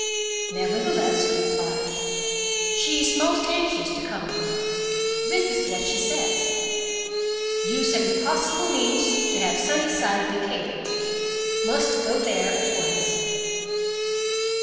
"Nevertheless," he replied, "she is most anxious to come. This is what she says. 'Use every possible means to have Sunnyside vacated. Must go there at once.